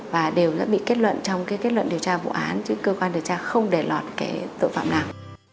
và đều đã bị kết luận trong cái kết luận điều tra vụ án chứ cơ quan điều tra không để lọt cái tội phạm nào